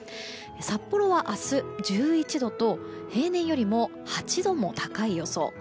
札幌は明日１１度と平年よりも８度も高い予想。